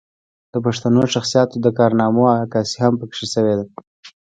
د پښتنو شخصياتو د کارنامو عکاسي هم پکښې شوې ده